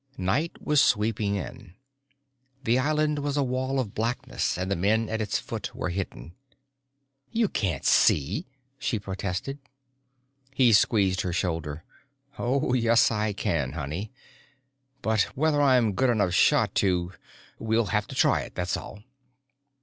Night was sweeping in. The island was a wall of blackness and the men at its foot were hidden. "You can't see!" she protested. He squeezed her shoulder. "Oh yes I can, honey. But whether I'm a good enough shot to.... We'll have to try it, that's all."